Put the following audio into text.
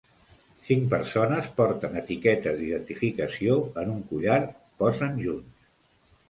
Cinc persones porten etiquetes d'identificació en un collar posen junts